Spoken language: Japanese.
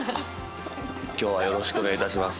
今日はよろしくお願いいたします。